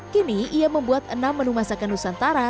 kini ia membuat enam menu masakan nusantara